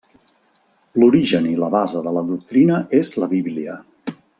L'origen i la base de la doctrina és la Bíblia.